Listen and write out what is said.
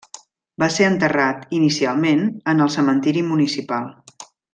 Va ser enterrat, inicialment, en el cementiri municipal.